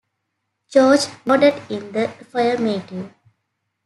George nodded in the affirmative.